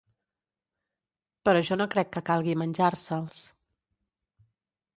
Però jo no crec que calgui menjar-se'ls.